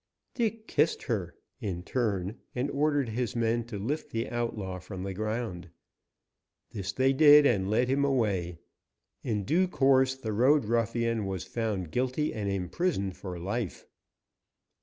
Dick kissed her, in turn, and ordered his men to lift the outlaw from the ground. This they did, and led him away. In due course the road ruffian was found guilty and imprisoned for life.